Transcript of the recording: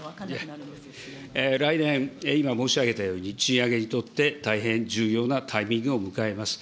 来年、今申し上げたように、賃上げにとって大変重要なタイミングを迎えます。